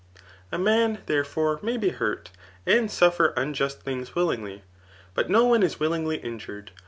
A man, tfierefore, may be hurt, and suffer imjust things willingly } but no one is willingly injured.